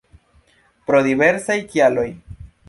Pro diversaj kialoj.